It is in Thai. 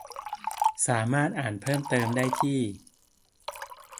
สามารถอ่านเพิ่มเติมได้ที่